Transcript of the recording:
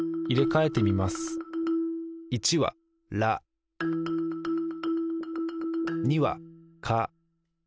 １は「ら」２は「か」